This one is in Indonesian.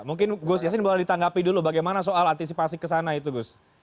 mungkin gus yassin boleh ditanggapi dulu bagaimana soal antisipasi ke sana itu gus